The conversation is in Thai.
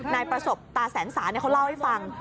นายประสบตาแสงสาเขาเล่าให้ฟัง